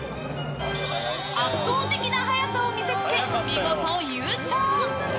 圧倒的な速さを見せつけ見事優勝。